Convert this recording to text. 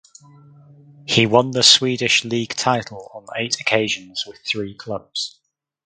He won the Swedish League title on eight occasions with three clubs.